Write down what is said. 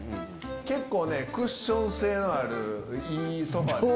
結構クッション性のあるいいソファです。